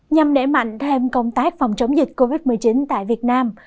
nhằm đẩy mạnh thêm công tác phòng chống dịch covid một mươi chín tại việt nam